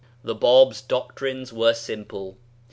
The Bab's doctrines were simple.